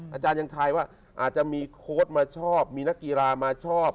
อาจารย์ยังทายว่าอาจจะมีโค้ดมาชอบมีนักกีฬามาชอบ